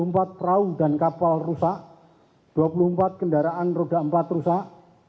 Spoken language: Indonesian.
dua puluh empat perahu dan kapal rusak dua puluh empat kendaraan roda empat rusak